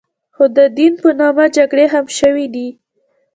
خو د دین په نامه جګړې هم شوې دي.